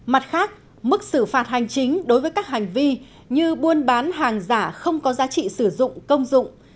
mặt khác mức xử phạt hành chính đối với các hành vi như buôn bán hàng giả không có giá trị sử dụng công dụng